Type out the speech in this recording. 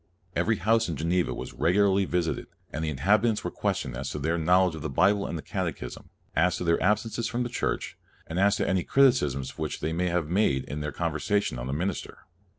Every house in Geneva was regularly visited, and the inhabitants were questioned as to their knowledge of the Bible and the Catechism, as to their absences from church, and as to any criti cism which they might have made in their conversation on the minister.